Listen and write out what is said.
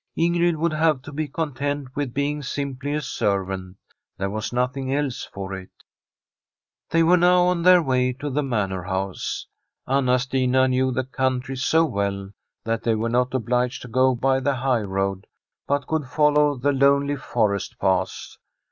Ingrid would have to be content with being simply a servant. There was nothing else for it. They were now on their way to the Manor House. Anna Stina knew the country so well that they were not obliged to go by the highroad, but could follow the lonely forest paths.